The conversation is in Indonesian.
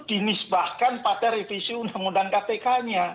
dinisbahkan pada revisi undang undang kpk nya